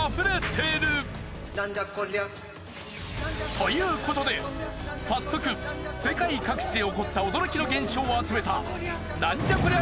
ということで早速世界各地で起こった驚きの現象を集めたナンじゃこりゃ！？